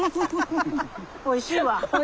おいしいわ。